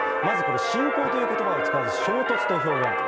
まずこれ、侵攻ということばを使わず衝突と表現。